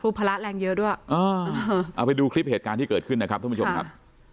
ภาระแรงเยอะด้วยอ่าเอาไปดูคลิปเหตุการณ์ที่เกิดขึ้นนะครับท่านผู้ชมครับ